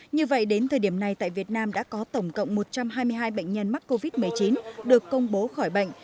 như vậy đến thời điểm này tại việt nam đã có tổng cộng một trăm hai mươi hai bệnh nhân mắc covid một mươi chín được công bố khỏi bệnh